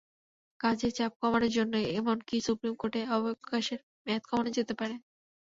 কাজের চাপ কমানোর জন্য এমনকি সুপ্রিম কোর্টে অবকাশের মেয়াদ কমানো যেতে পারে।